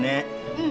うん。